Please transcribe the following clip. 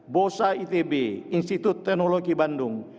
bosa itb institut teknologi bandung